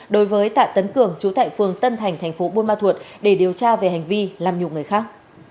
đối với tạ tấn chú tại phường tân thành thành phố buôn ma thuột để điều tra về hành vi làm nhục người khác